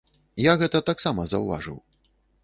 Я гэта таксама заўважыў.